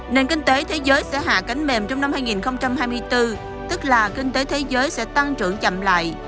nền kinh tế thế giới sẽ hạ cánh mềm trong năm hai nghìn hai mươi bốn tức là kinh tế thế giới sẽ tăng trưởng chậm lại